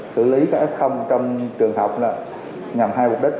xử lý các f trong trường học nhằm hai mục đích